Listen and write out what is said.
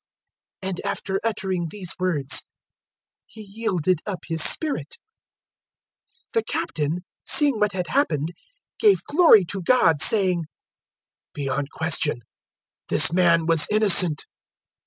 And after uttering these words He yielded up His spirit. 023:047 The Captain, seeing what had happened, gave glory to God, saying, "Beyond question this man was innocent."